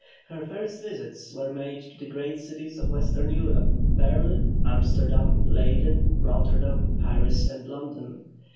Her first visits were made to the great cities of Western Europe Berlin, Amsterdam, Leyden, Rotterdam, Paris, and London.